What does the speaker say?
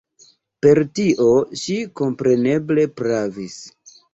Per tio ŝi kompreneble pravis.